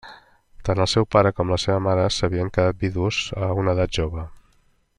Tant el seu pare com la seva mare s'havien quedat vidus a una edat jove.